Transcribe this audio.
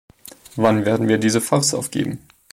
Wann werden wir diese Farce aufgeben?